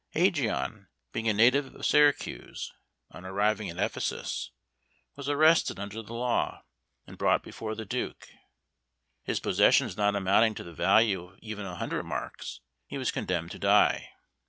Ægeon, being a native of Syracuse, on arriving at Ephesus was arrested under this law, and brought before the Duke. His possessions not amounting to the value of even a hundred marks, he was condemned to die.